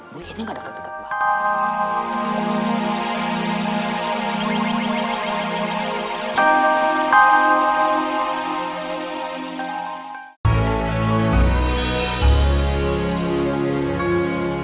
bu ini ga dapet deket banget